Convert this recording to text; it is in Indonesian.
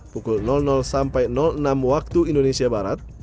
pukul sampai enam waktu indonesia barat